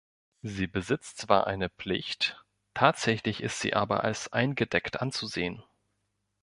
Sie besitzt zwar eine Plicht, tatsächlich ist sie aber als eingedeckt anzusehen.